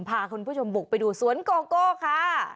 พาคุณผู้ชมบุกไปดูสวนโกโก้ค่ะ